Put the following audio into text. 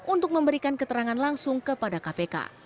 untuk memberikan keterangan langsung kepada kpk